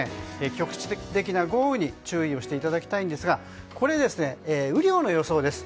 局地的な豪雨に注意していただきたいんですが雨量の予想です。